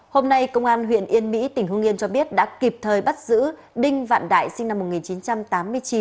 hôm nay công an huyện yên mỹ tỉnh hương yên cho biết đã kịp thời bắt giữ đinh văn đại sinh năm một nghìn chín trăm tám mươi chín